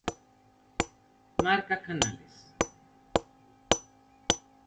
Marca Canales.